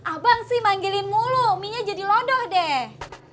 abang sih manggilin mulu mie nya jadi lodoh deh